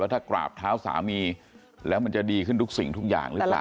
เพราะถ้ากราบเท้าสามีแล้วมันจะดีขึ้นทุกสิ่งทุกอย่างเล่นแล้ว